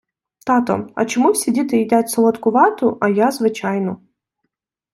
Тато, а чому всі дітки їдять солодку вату, а я звичайну?